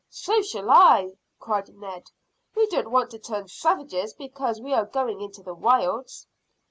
"So shall I," cried Ned. "We don't want to turn savages because we are going into the wilds."